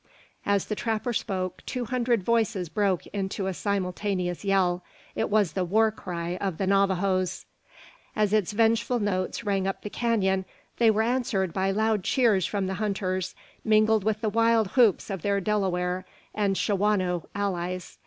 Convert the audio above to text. As the trapper spoke, two hundred voices broke into a simultaneous yell. It was the war cry of the Navajoes! As its vengeful notes rang upon the canon, they were answered by loud cheers from the hunters, mingled with the wild whoops of their Delaware and Shawano allies.